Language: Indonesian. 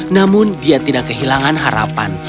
namun dia tidak kehilangan harapan